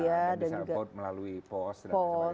ya dan bisa vote melalui post dan sebagainya gitu right